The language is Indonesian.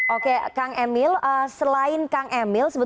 oke kang emil selain kang emil